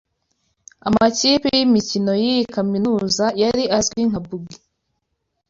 amakipi yimikino yiyi kaminuza yari azwi nka Bugi